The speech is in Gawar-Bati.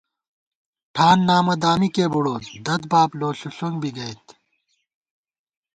ٹھان نامہ دامِکےبُڑوت، دَدباب لوݪُݪُنگ بی گَئیت